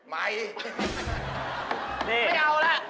ไม่เอาล่ะ